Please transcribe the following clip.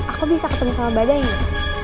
aku bisa ketemu sama badai